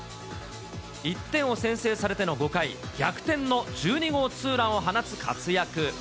１点を先制されての５回、逆転の１２号ツーランを放つ活躍。